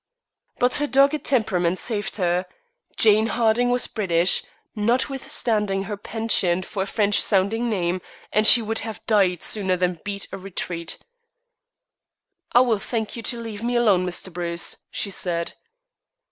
But her dogged temperament saved her. Jane Harding was British, notwithstanding her penchant for a French sounding name, and she would have died sooner than beat a retreat. "I will thank you to leave me alone, Mr. Bruce," she said.